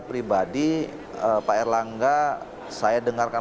pribadi pak erlangga saya dengarkan